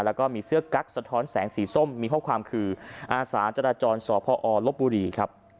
แล้วก็มีเสื้อกั๊กสะท้อนแสงสีส้มมีข้อความคืออาสาจราจรสพอลบบุรีครับ